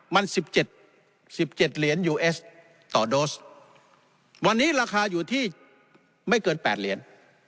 มัน๑๗๑๗เหรียญยูเอสต่อโดสวันนี้ราคาอยู่ที่ไม่เกิน๘เหรียญ